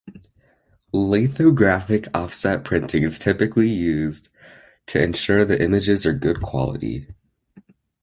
Lithographic offset printing is typically used, to ensure the images are good quality.